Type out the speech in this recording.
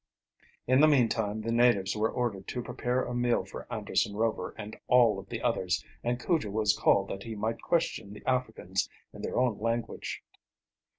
In the meantime the natives were ordered to prepare a meal for Anderson Rover and all of the others, and Cujo was called that he might question the Africans in their own language.